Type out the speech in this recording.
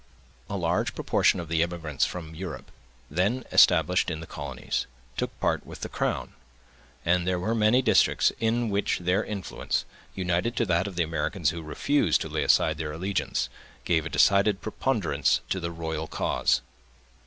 A large proportion of the emigrants from Europe, then established in the colonies, took part with the crown; and there were many districts in which their influence, united to that of the Americans who refused to lay aside their allegiance, gave a decided preponderance to the royal cause.